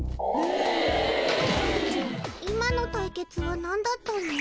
今の対決はなんだったの？